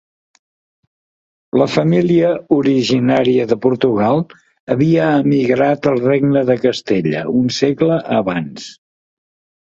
La família, originària de Portugal, havia emigrat al Regne de Castella un segle abans.